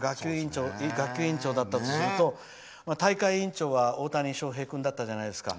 学級委員長だったとすると大会委員長は大谷翔平君だったじゃないですか。